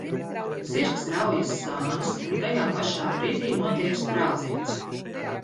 Zirgs raujas sānis un tajā pašā brīdī notiek sprādziens.